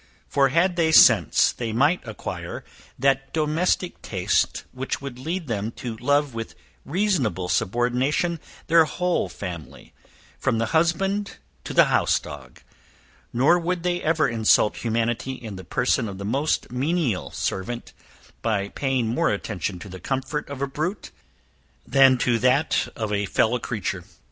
For had they sense, they might acquire that domestic taste which would lead them to love with reasonable subordination their whole family, from the husband to the house dog; nor would they ever insult humanity in the person of the most menial servant, by paying more attention to the comfort of a brute, than to that of a fellow creature.